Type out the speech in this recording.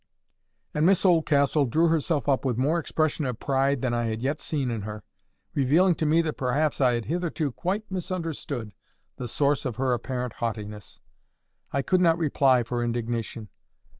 And Miss Oldcastle drew herself up with more expression of pride than I had yet seen in her, revealing to me that perhaps I had hitherto quite misunderstood the source of her apparent haughtiness. I could not reply for indignation.